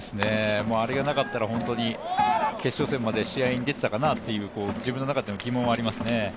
あれがなかったら決勝戦まで試合に出てたのかなと自分の中での疑問はありますね。